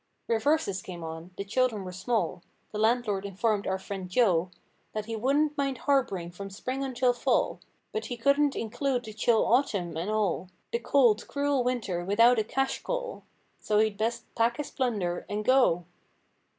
Reverses came on. The children were small. The landlord informed our friend Joe, That he wouldn't mind harb'ring from spring until fall. But he couldn't include the chill autumn, and all The cold, cruel winter without a cash call— So he'd best "pack his plunder" and go.